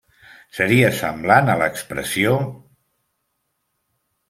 Seria semblant a l'expressió: